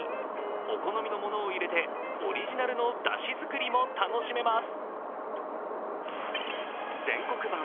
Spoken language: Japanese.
お好みのものわ入れて、オリジナルのだし作りも楽しめます。